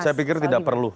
saya pikir tidak perlu